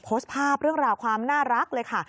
โพสต์ภาพเรื่องราวความน่ารักเลยค่ะ